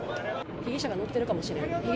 被疑者が乗ってるかも。